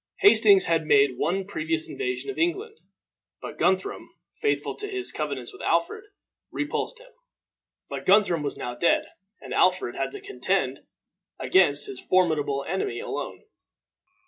Hastings had made one previous invasion of England; but Guthrum, faithful to his covenants with Alfred, repulsed him. But Guthrum was now dead, and Alfred had to contend against his formidable enemy alone.